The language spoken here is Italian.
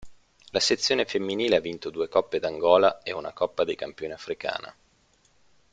La sezione femminile ha vinto due Coppe d'Angola e una Coppa dei Campioni africana.